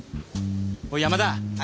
おい山田。